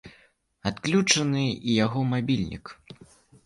Адключаны і яго мабільнік.